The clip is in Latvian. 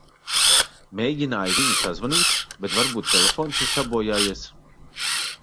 Mēģināju viņu sazvanīt, bet varbūt telefons ir sabojājies.